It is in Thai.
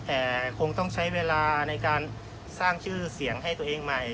แต่คงต้องใช้เวลาในการสร้างชื่อเสียงให้ตัวเองใหม่